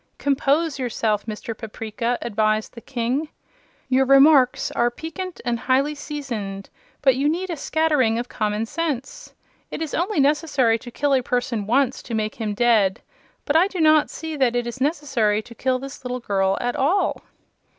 "Compose yourself, Mr. Paprica," advised the King. "Your remarks are piquant and highly seasoned, but you need a scattering of commonsense. It is only necessary to kill a person once to make him dead; but I do not see that it is necessary to kill this little girl at all."